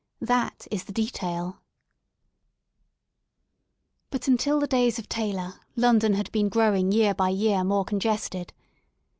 That is the detail But until the days of Taylor London had been grow ing year by year more congested.